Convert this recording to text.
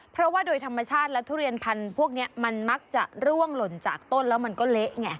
เพราะว่าโดยธรรมชาติและทุเรียนพันธุ์พวกนี้มันมักจะร่วงหล่นจากต้นแล้วมันก็เละไง